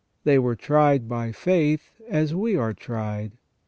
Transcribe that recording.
They were tried by faith as we are tried.